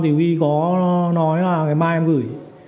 thì we có nói là ngày mai em gửi